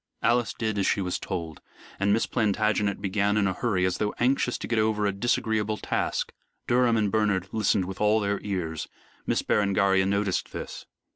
Alice did as she was told, and Miss Plantagenet began in a hurry, as though anxious to get over a disagreeable task. Durham and Bernard listened with all their ears. Miss Berengaria noticed this.